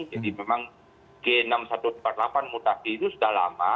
jadi memang g enam ribu satu ratus empat puluh delapan mutasi itu sudah lama